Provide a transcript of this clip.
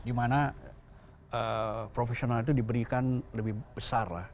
di mana profesional itu diberikan lebih besar